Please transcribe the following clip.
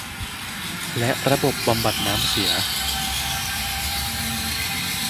และระบบบำบัดน้ำเสีย